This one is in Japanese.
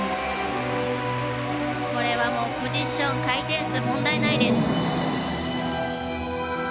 これはもうポジション回転数問題ないです。